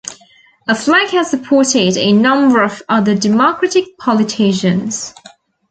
Affleck has supported a number of other Democratic politicians.